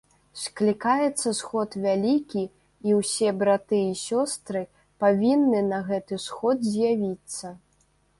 Склікаецца сход вялікі, і ўсе браты і сёстры павінны на гэны сход з'явіцца.